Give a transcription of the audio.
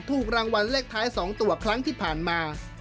ถูกรางวัลเลขท้าย๒ตัวครั้งที่ผ่านมา